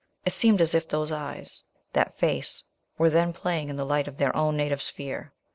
It seemed as if those eyes, that face were then playing in the light of their own native sphere.